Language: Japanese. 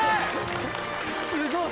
すごい！